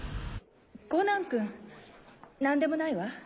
コナン君何でもないわ。